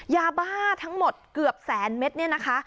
ยาบ้าทั้งหมดเกือบแสนเมตรเนี่ยนะคะ